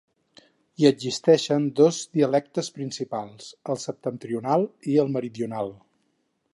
Hi existeixen dos dialectes principals: el septentrional i el meridional.